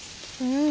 うん。